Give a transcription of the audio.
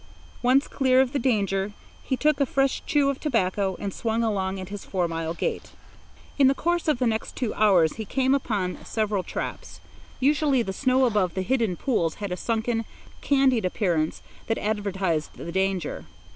Once clear of the danger, he took a fresh chew of tobacco and swung along at his four mile gait. In the course of the next two hours he came upon several similar traps. Usually the snow above the hidden pools had a sunken, candied appearance that advertised the danger.